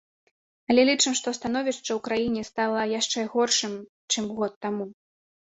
Але лічым, што становішча ў краіне стала яшчэ горшым, чым год таму.